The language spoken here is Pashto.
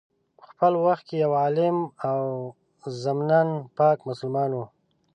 په خپل وخت کي یو عالم او ضمناً پاک مسلمان وو.